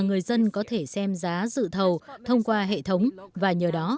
người dân có thể xem giá dự thầu thông qua hệ thống và nhờ đó